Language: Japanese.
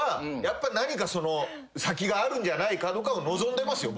先があるんじゃないかとかを望んでますよ